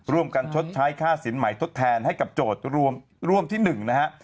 ชดใช้ค่าสินใหม่ทดแทนให้กับโจทย์ร่วมที่๑นะฮะ